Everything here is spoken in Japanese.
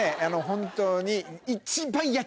本当に。